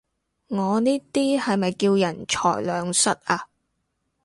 我呢啲係咪叫人財兩失啊？